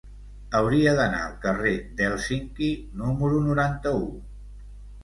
Hauria d'anar al carrer d'Hèlsinki número noranta-u.